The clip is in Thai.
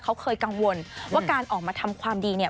เค้าเคยกังวลว่าการออกมาทำความดี